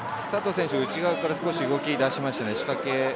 佐藤選手、内側から少し動きだしました。